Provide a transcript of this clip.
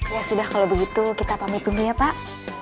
ya sudah kalo begitu kita pamit dulu ya pak